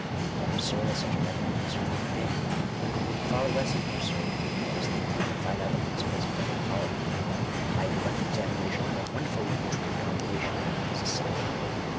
But absurd as such a method of research would have been, it would have been far less absurd, than is the attempt to find out the principles of public polity, by a direct examination of that wonderfully intricate combination — society.